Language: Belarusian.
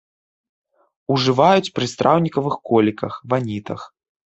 Ужываюць пры страўнікавых коліках, ванітах.